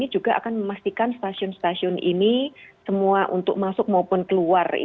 juga akan memastikan stasiun stasiun ini semua untuk masuk maupun keluar